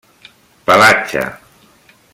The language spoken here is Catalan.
Pelatge: